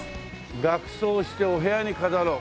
額装してお部屋に飾ろう。